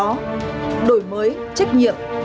cùng với đó đổi mới trách nhiệm